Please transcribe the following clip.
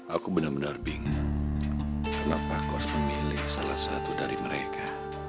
aku bener bener bingung kenapa aku harus memilih salah satu dari mereka